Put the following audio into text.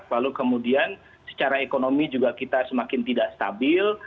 lalu kemudian secara ekonomi juga kita semakin tidak stabil